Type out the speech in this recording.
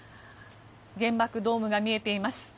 原爆ドームが見えています。